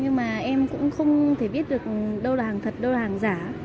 nhưng mà em cũng không thể biết được đâu là hàng thật đâu là hàng giả